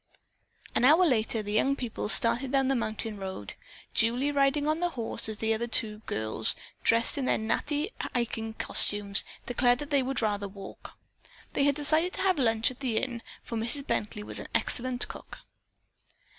An hour later the young people started down the mountain road, Julie riding on the horse as the other two girls, dressed in their natty hiking costumes, declared that they would rather walk. They had decided to have lunch at the inn, for Mrs. Bently was an excellent cook.